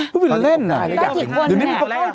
ฮะเพราะว่าเล่นอ่ะตอนนี้มีประกาศ